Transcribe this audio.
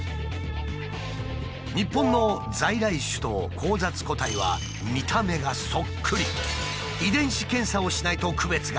日本の在来種と交雑個体は見た目がそっくり。